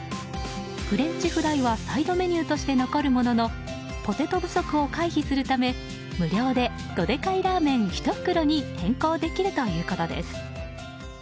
フレンチフライはサイドメニューとして残るもののポテト不足を回避するため無料でドデカイラーメン１袋に変更できるということです。